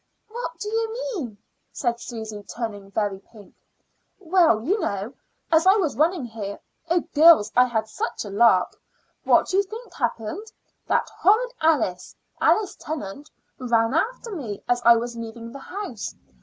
"What do you mean?" said Susy, turning very pink. "Well, you know, as I was running here Oh, girls, I had such a lark! What do you think happened? That horrid Alice Alice Tennant ran after me as I was leaving the house.